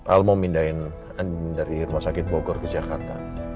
al mau mindahin ani dari rumah sakit bogor ke jakarta